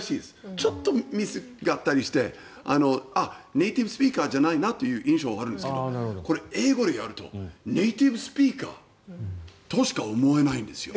ちょっとミスがあったりしてネイティブスピーカーじゃないなという印象があるんですが英語でやるとネイティブスピーカーとしか思えないんです。